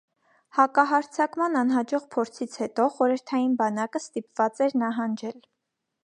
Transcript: Հակահարձակման անհաջող փորձից հետո, խորհրդային բանակը ստիպված էր նահանջել։